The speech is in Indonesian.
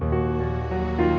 kamu sama amin